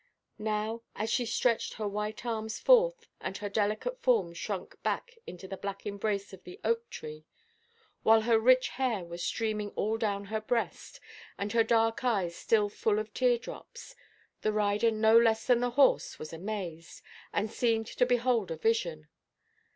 Now, as she stretched her white arms forth, and her delicate form shrunk back into the black embrace of the oak–tree; while her rich hair was streaming all down her breast, and her dark eyes still full of tear–drops; the rider no less than the horse was amazed, and seemed to behold a vision.